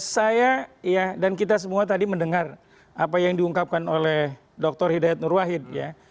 saya ya dan kita semua tadi mendengar apa yang diungkapkan oleh dr hidayat nur wahid ya